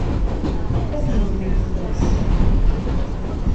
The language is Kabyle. Ad nedmen fell-as.